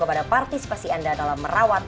kepada partisipasi anda dalam merawat